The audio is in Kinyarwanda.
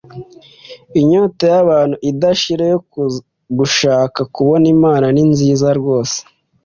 inyota y’abantu idashira yo gushakakubona imana ni nziza rwose.